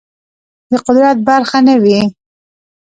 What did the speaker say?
د قدرت برخه نه وي